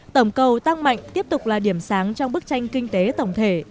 tổng cầu tăng mạnh tiếp tục là điểm sáng trong bức tranh kinh tế tổng thể